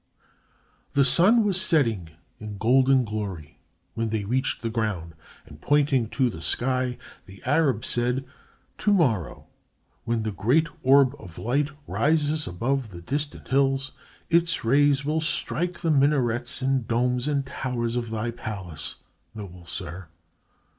The sun was setting in golden glory when they reached the ground, and pointing to the sky the Arab said: "Tomorrow, when the great orb of light rises above the distant hills, its rays will strike the minarets and domes and towers of thy palace, noble sir.